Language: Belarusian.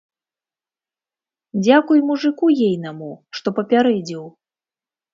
Дзякуй мужыку ейнаму, што папярэдзіў.